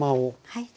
はい。